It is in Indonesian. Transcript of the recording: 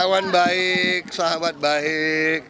kawan baik sahabat baik